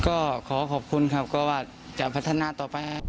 ก็ขอขอบคุณครับเพราะว่าจะพัฒนาต่อไปเป็นอย่าง